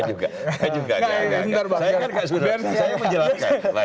enggak juga enggak juga